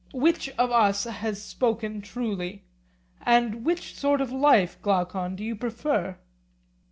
Which of us has spoken truly? And which sort of life, Glaucon, do you prefer?